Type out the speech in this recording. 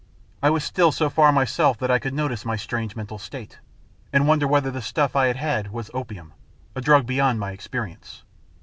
I was still so far myself that I could notice my strange mental state, and wonder whether this stuff I had had was opium a drug beyond my experience.